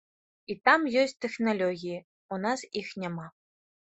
І там ёсць тэхналогіі, у нас іх няма.